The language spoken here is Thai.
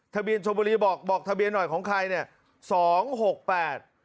ทะเบียนชมบุรีบอกบอกทะเบียนหน่อยของใครเนี่ย๒๖๘